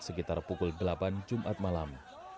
sekitar pukul delapan jumat malam